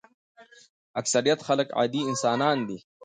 اکثریت خلک عادي انسانان دي.